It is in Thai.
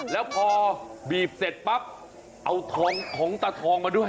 แล้วพอบีบเสร็จปั๊บเอาทองของตาทองมาด้วย